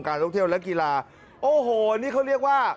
การจีนทยอยเปิดประเทศตั้งแต่๘มกราคมที่ผ่านมา